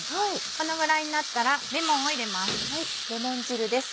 このぐらいになったらレモンを入れます。